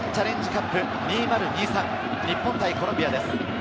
キリンチャレンジカップ２０２３、日本対コロンビアです。